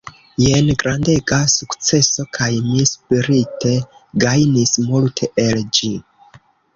Jen grandega sukceso kaj mi spirite gajnis multe el ĝi.